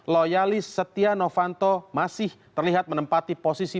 loyalis setia novanto masih terlihat menempati posisi